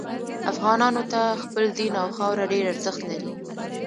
افغانانو ته خپل دین او خاوره ډیر ارزښت لري